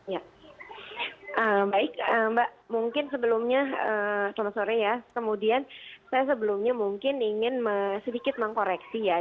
ya baik mbak mungkin sebelumnya saya sebelumnya mungkin ingin sedikit mengkoreksi ya